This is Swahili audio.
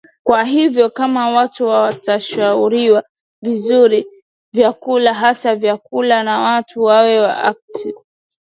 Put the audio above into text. kwa hivyo kama watu watashauriwa vizuri vyakula hasa vyakula na watu wawe active